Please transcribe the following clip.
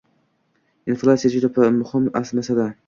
Inflyatsiya --- bu juda muhim masala